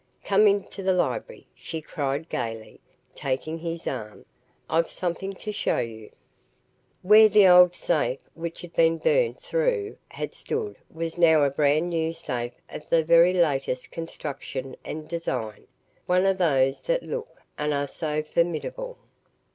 "Come into the library," she cried gaily, taking his arm. "I've something to show you." Where the old safe which had been burnt through had stood was now a brand new safe of the very latest construction and design one of those that look and are so formidable.